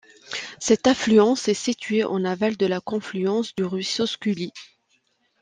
Cette affluence est située en aval de la confluence du ruisseau Scully.